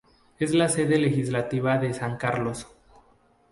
Es la sede legislativa de San Carlos.